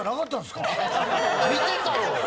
見てたろ？